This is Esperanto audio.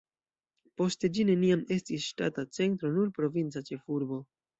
Poste ĝi neniam estis ŝtata centro, nur provinca ĉefurbo.